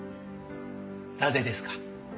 なぜですか？